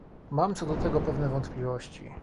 Mam, co do tego pewne wątpliwości